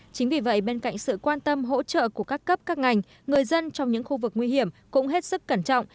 chính vì vậy bên cạnh sự quan tâm hỗ trợ của các cấp các ngành người dân trong những khu vực nguy hiểm cũng hết sức cẩn trọng